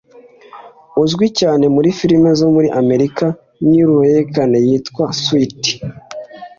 uzwi cyane muri filime zo muri Amerika nk’iy’uruhererekane yitwa “Suits”